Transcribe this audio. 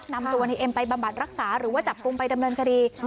นำตัวในเอ็มไปบำบัดรักษาหรือว่าจับกลุ่มไปดำเนินคดี